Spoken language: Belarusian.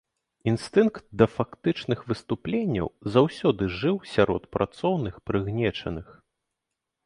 Інстынкт да фактычных выступленняў заўсёды жыў сярод працоўных, прыгнечаных.